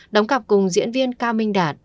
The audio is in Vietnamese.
đóng cặp cùng diễn viên ca minh đạt